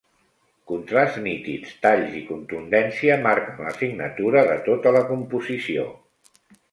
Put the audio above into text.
Contrasts nítids, talls i contundència marquen la signatura de tota la composició.